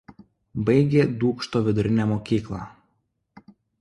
Baigė Dūkšto vidurinę mokyklą.